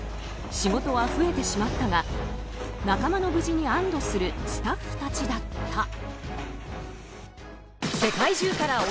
仕事は増えてしまったが仲間の無事に安堵するスタッフたちだった。